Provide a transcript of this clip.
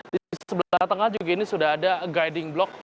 di sebelah tengah juga ini sudah ada guiding block